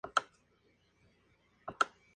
Dichas fotografías aparecen en blanco y negro.